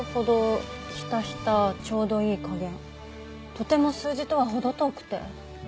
とても数字とは程遠くて。